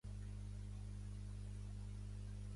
Cada peix té una lletra o una paraula escrita en ella.